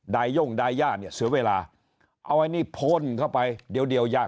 ได้ย่างได้อย่างเนี่ยเสียเวลาเอานี่โพลเข้าไปเดี๋ยว